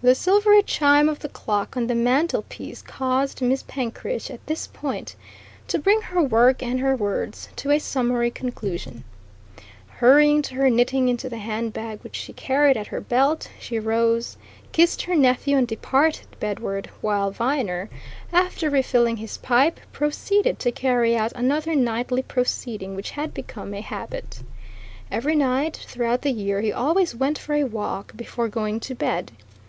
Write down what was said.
The silvery chime of the clock on the mantelpiece caused Miss Penkridge, at this point, to bring her work and her words to a summary conclusion. Hurrying her knitting into the hand bag which she carried at her belt, she rose, kissed her nephew and departed bedward; while Viner, after refilling his pipe, proceeded to carry out another nightly proceeding which had become a habit. Every night, throughout the year, he always went for a walk before going to bed.